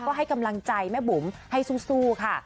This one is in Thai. ก็ให้กำลังใจแม่บุ๋มให้สู้ค่ะ